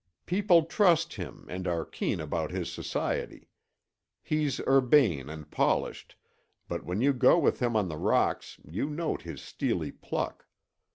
People trust him and are keen about his society. He's urbane and polished, but when you go with him on the rocks you note his steely pluck.